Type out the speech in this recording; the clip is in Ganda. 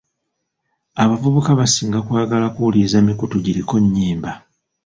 Abavubuka basinga kwagala kuwuliriza mikutu giriko nnyimba.